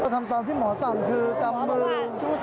ทำตามที่หมอสั่งคือกำมือ